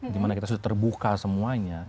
di mana kita sudah terbuka semuanya